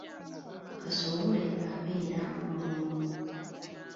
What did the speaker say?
Kasowole abeera mulongo.